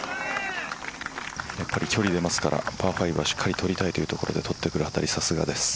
やっぱり距離が出るのでパーはしっかり取りたいというところで取ってくるあたり、さすがです。